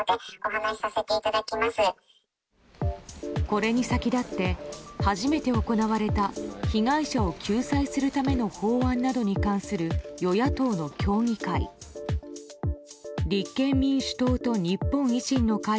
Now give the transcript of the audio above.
これに先立って初めて行われた被害者を救済するための法案などに関する与野党の協議会。